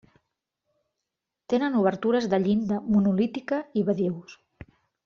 Tenen obertures de llinda monolítica i badius.